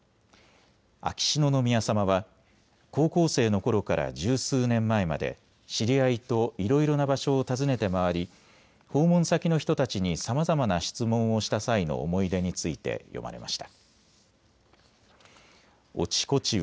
秋篠宮さまは高校生のころから十数年前まで知り合いといろいろな場所を訪ねて回り訪問先の人たちにさまざまな質問をした際の思い出について詠まれました。